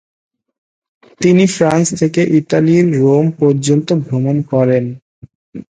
তিনি ফ্রান্স থেকে ইতালির রোম পর্যন্ত ভ্রমণ করেন।